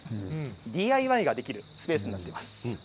ＤＩＹができるスペースになっています。